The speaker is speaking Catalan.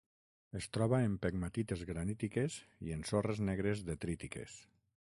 Es troba en pegmatites granítiques i en sorres negres detrítiques.